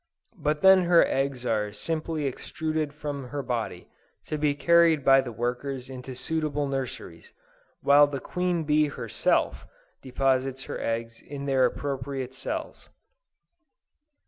but then her eggs are simply extruded from her body, to be carried by the workers into suitable nurseries, while the queen bee herself deposits her eggs in their appropriate cells.